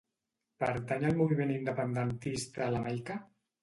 Pertany al moviment independentista la Maica?